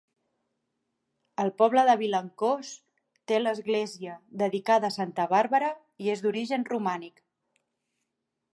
El poble de Vilancòs té l'església dedicada a santa Bàrbara, i és d'origen romànic.